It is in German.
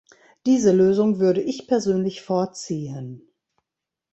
Diese Lösung würde ich persönlich vorziehen.